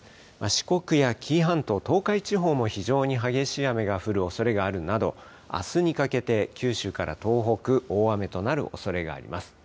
四国や紀伊半島、東海地方も非常に激しい雨が降るおそれがあるなどあすにかけて九州から東北、大雨となるおそれがあります。